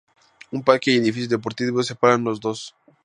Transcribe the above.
Un parque y edificios deportivos separan los dos.